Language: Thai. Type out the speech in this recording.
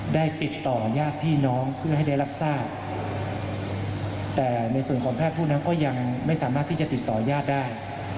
ได้ติดต่อยาดพี่น้องเพื่อให้ได้รับทราบแต่ในส่วนของแพทย์ผู้นั้นก็ยังไม่สามารถที่จะติดต่อญาติได้